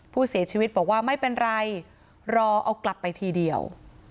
ผู้เสียชีวิตบอกว่าไม่เป็นไรรอเอากลับไปทีเดียว